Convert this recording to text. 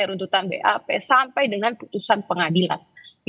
runtutan bap sampai dengan putusan pengadilan